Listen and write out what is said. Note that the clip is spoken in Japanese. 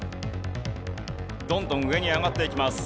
どんどん上に上がっていきます。